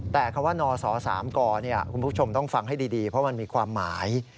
แต่คำว่านศ๓กคุณผู้ชมต้องฟังให้ดีเพราะมันมีความหมาย